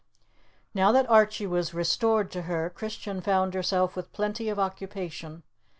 Now that Archie was restored to her, Christian found herself with plenty of occupation.